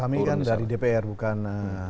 kami kan dari dpr bukan